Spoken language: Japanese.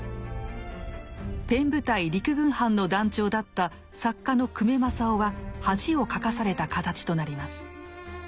ペン部隊陸軍班の団長だった作家の久米正雄は恥をかかされた形となります。